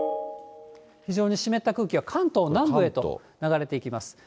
非常に湿った空気が関東南部へと流れていきます。